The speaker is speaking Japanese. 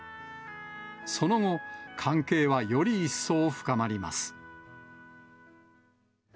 その後、関係はより一層深まります。